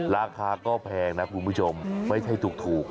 ราคาก็แพงนะคุณผู้ชมไม่ใช่ถูก